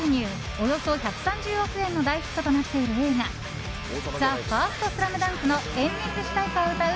およそ１３０億円の大ヒットとなっている映画「ＴＨＥＦＩＲＳＴＳＬＡＭＤＵＮＫ」のエンディング主題歌を歌う